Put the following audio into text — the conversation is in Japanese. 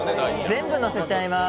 全部のせちゃいます。